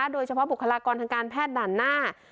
โดยเฉพาะบุคลากรทางการแพทย์ด่านหน้า